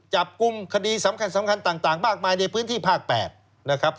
จับกลุ่มคดีสำคัญต่างมากมายในพื้นที่ภาค๘นะครับ